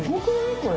これ。